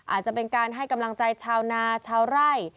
อาจจะเป็นการให้กำลังใจชาวนาชาวไร่